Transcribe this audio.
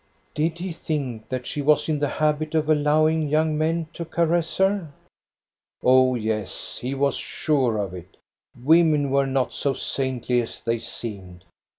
Did he think that she was in the habit of allowing young men to caress her? Oh yes, he was sure of it. Women were not so saintly as they seemed.